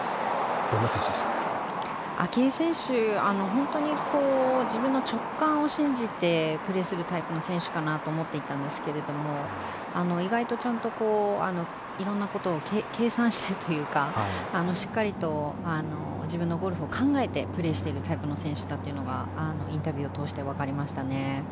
本当に自分の直感を信じてプレーするタイプの選手かなと思っていたんですけども意外とちゃんと色んなことを計算してというかしっかりと自分のゴルフを考えてプレーしてるタイプの選手だということがインタビューを通してわかりましたね。